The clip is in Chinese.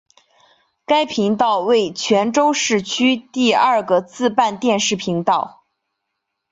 该频道为泉州市区第二个自办电视频道。